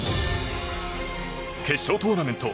決勝トーナメント